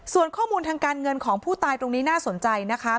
ส่วนข้อมูลทางการเงินของผู้ตายตรงนี้น่าสนใจนะคะ